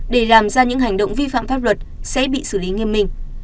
để làm ra những hành động vi phạm pháp luật sẽ bị xử lý nghiêm minh